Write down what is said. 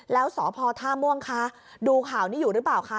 แล้วสพท่าม่วงคะดูข่าวนี้อยู่หรือเปล่าคะ